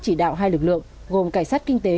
chỉ đạo hai lực lượng gồm cảnh sát kinh tế